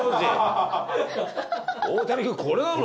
大谷君、これなの？